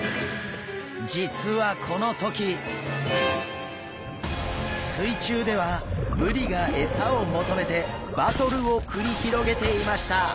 実はこの時水中ではブリが餌を求めてバトルを繰り広げていました。